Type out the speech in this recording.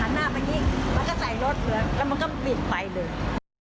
มันก็ใส่รถเผื้อแล้วมันก็บินไปเลย